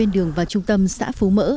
đường vào trung tâm xã phú mỡ